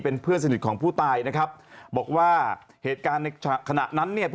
เป็นเพื่อนสนิทของผู้ตายนะครับบอกว่าเหตุการณ์ในขณะนั้นเนี่ย